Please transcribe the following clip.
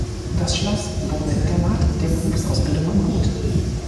Das Schloss wurde Internat der Berufsausbildung im Gut.